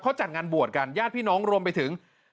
เขาจัดงานบวชกันญาติพี่น้องรวมไปถึง